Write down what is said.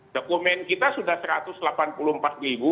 dokumen kita sudah rp satu ratus delapan puluh empat